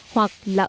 hoặc là ở lại nhà